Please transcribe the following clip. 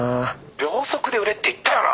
秒速で売れって言ったよな！